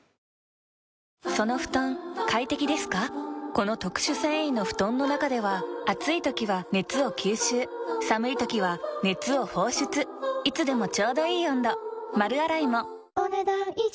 この特殊繊維の布団の中では暑い時は熱を吸収寒い時は熱を放出いつでもちょうどいい温度丸洗いもお、ねだん以上。